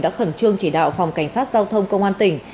đã khẩn trương chỉ đạo phòng cảnh sát giao thông công an tỉnh